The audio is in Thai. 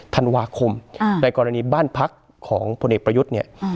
ธันวาคมในกรณีบ้านพักของพลเอกประยุทธ์เนี่ย